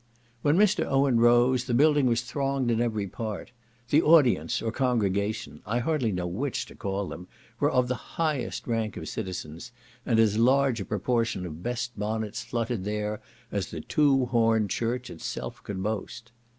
When Mr. Owen rose, the building was thronged in every part; the audience, or congregation, (I hardly know which to call them) were of the highest rank of citizens, and as large a proportion of best bonnets fluttered there, as the "two horned church" itself could boast.